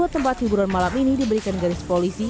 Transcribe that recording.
dua tempat hiburan malam ini diberikan garis polisi